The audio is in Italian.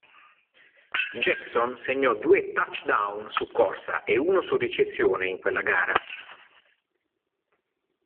Jackson segnò due touchdown su corsa e uno su ricezione in quella gara.